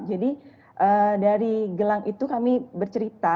jadi dari gelang itu kami bercerita